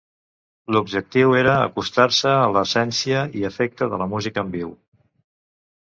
L'objectiu era acostar-se a l'essència i efecte de la música en viu.